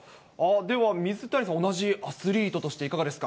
では水谷さん、同じアスリートとしていかがですか。